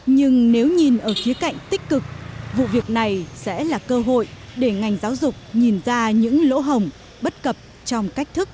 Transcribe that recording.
nhưng nếu nhìn ở khía cạnh tích cực vụ việc này sẽ là cơ hội để ngành giáo dục nhìn ra những lỗ hồng bất cập trong cách thức